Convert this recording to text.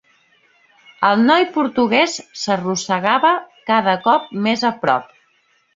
El noi portuguès s'arrossegava cada cop més a prop.